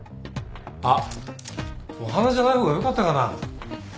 あっお花じゃない方がよかったかな？